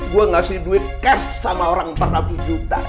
gue ngasih duit cash sama orang empat ratus juta